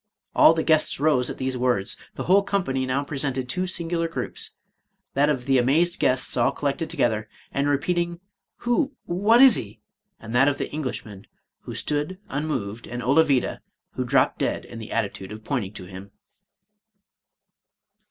All the guests rose at these words, — ^the whole company now presented two singular groups, that of the amazed guests all collected together, and repeating, " Who, what is he? " and that of the Englishman, 177 Irish Mystery Stories who stood unmoved, and Olavida, who dropped dead in the attitude of pointing to him.